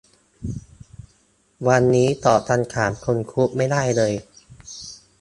วันนี้ตอบคำถามคนคุกไม่ได้เลย